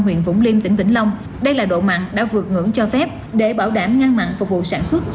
huyện vũng liêm tỉnh vĩnh long đây là độ mặn đã vượt ngưỡng cho phép để bảo đảm ngăn mặn phục vụ sản xuất